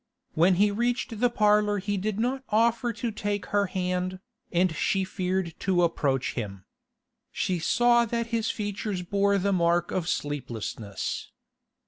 When he reached the parlour he did not offer to take her hand, and she feared to approach him. She saw that his features bore the mark of sleeplessness.